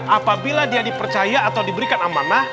apabila dia dipercaya atau diberikan amanah